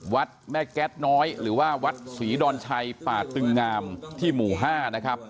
วัดแม่แก๊สน้อยหรือว่าวัดศรีดอนชัยป่าตึงงามที่หมู่๕นะครับ